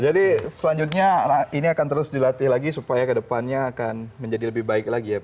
jadi selanjutnya ini akan terus dilatih lagi supaya ke depannya akan menjadi lebih baik lagi ya